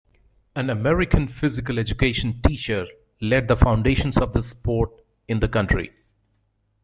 An American physical education teacher laid the foundations of the sport in the country.